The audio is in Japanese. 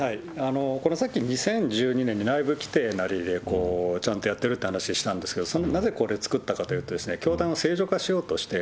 さっき２０１２年に内部規定なりでちゃんとやってるって話したんですけど、なぜこれ作ったかというと、教団正常化しようとして、